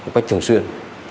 cách thường xuyên